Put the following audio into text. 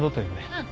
うん。